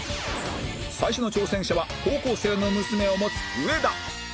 最初の挑戦者は高校生の娘を持つ上田